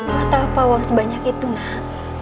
gapapa uang sebanyak itu nak